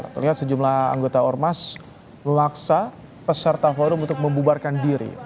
terlihat sejumlah anggota ormas memaksa peserta forum untuk membubarkan diri